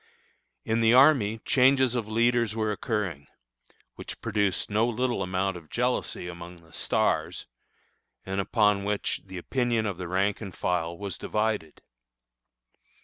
In the army changes of leaders were occurring, which produced no little amount of jealousy among the "stars," and upon which the opinion of the rank and file was divided.